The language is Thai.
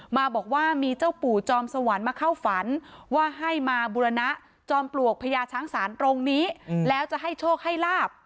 มาบอกว่ามีเจ้าปู่จอมสวรรค์มาเข้าฝันว่าให้มาบุรณะจอมปลวกพญาช้างศาลตรงนี้แล้วจะให้โชคให้ลาบ